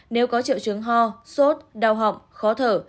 nếu có triệu chứng ho sốt đau họng khó thở